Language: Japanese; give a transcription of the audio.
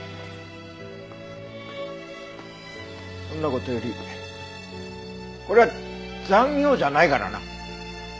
そんな事よりこれは残業じゃないからな。